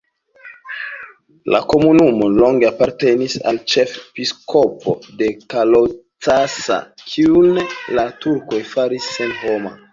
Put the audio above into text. La komunumo longe apartenis al ĉefepiskopo de Kalocsa, kiun la turkoj faris senhoma.